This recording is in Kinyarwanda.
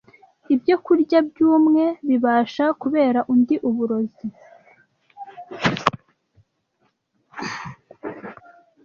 Ibyokurya by’umwe bibasha kubera undi uburozi